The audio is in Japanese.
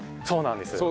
そうなんです。